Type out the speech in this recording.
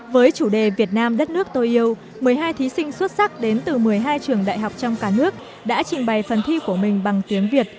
với chủ đề việt nam đất nước tôi yêu một mươi hai thí sinh xuất sắc đến từ một mươi hai trường đại học trong cả nước đã trình bày phần thi của mình bằng tiếng việt